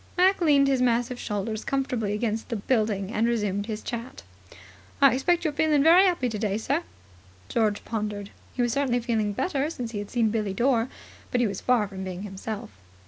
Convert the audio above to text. Mac leaned his massive shoulders comfortably against the building, and resumed his chat. "I expect you're feeling very 'appy today, sir?" George pondered. He was certainly feeling better since he had seen Billie Dore, but he was far from being himself.